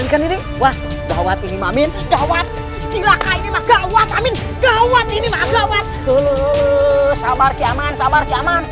ada gawat yang berkara